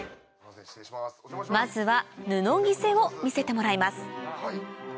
まずは布着せを見せてもらいます